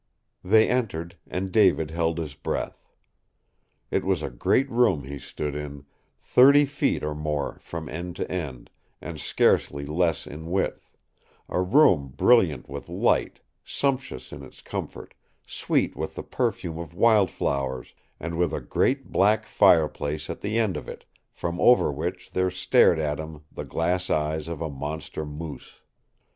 They entered, and David held his breath. It was a great room he stood in, thirty feet or more from end to end, and scarcely less in width a room brilliant with light, sumptuous in its comfort, sweet with the perfume of wild flowers, and with a great black fireplace at the end of it, from over which there stared at him the glass eyes of a monster moose.